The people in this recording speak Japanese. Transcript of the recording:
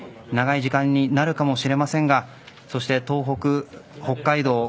長い時間になるかもしれませんがそして東北、北海道